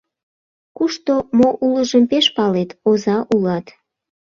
Кушто мо улыжым пеш палет — оза улат.